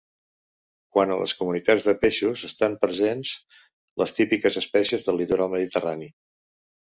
Quant a les comunitats de peixos, estan presents les típiques espècies del litoral mediterrani.